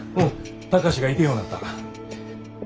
貴司がいてへんようなった。